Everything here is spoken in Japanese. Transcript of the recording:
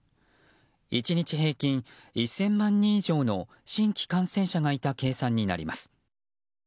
１日平均１０００万人以上の新規感染者がいた計算になります。